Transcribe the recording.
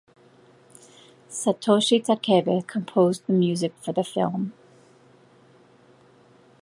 Satoshi Takebe composed the music for the film.